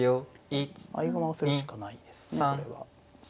合駒をするしかないですねこれは。